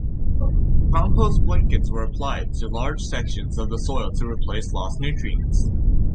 Compost blankets were applied to large sections of the soil to replace lost nutrients.